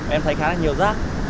em thấy khá là nhiều rác